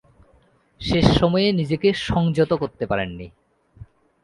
শেষ সময়ে নিজেকে সংযত করতে পারেননি।